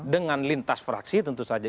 dengan lintas fraksi tentu saja